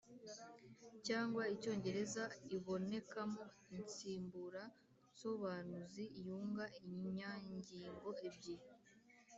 cyangwa icyongereza ibonekamo insimbura nsobanuzi yunga inyangingo ebyiri,